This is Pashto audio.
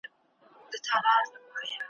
د اولیاوو د شیخانو مجلسونه کیږي `